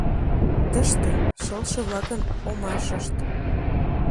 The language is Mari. Тыште — шылше-влакын омашышт.